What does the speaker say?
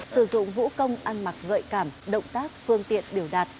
sử dụng vũ công ăn mặc gợi cảm động tác phương tiện biểu đạt